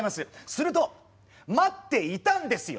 すると待っていたんですよ